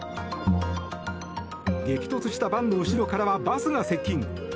激突したバンの後ろからはバスが接近。